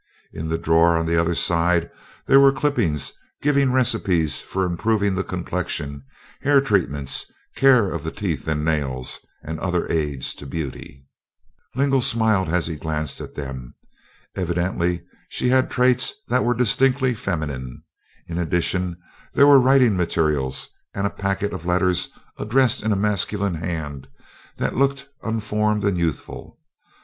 In the drawer on the other side there were clippings giving recipes for improving the complexion, hair treatments, care of the teeth and nails, and other aids to beauty. Lingle smiled as he glanced at them. Evidently she had traits that were distinctly feminine. In addition, there were writing materials and a packet of letters addressed in a masculine hand that looked unformed and youthful.